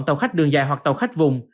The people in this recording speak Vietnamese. tàu khách đường dài hoặc tàu khách vùng